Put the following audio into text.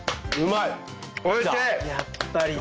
やっぱりだ！